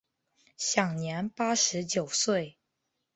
享年八十九岁。